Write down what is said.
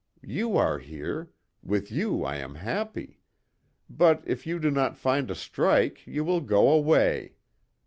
You are here with you I am happy. But, if you do not find a strike, you will go away.